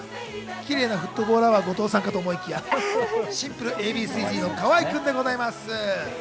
キレイなフットボールアワーの後藤さんかと思いきや、シンプルにＡ．Ｂ．Ｃ−Ｚの河合君でございます。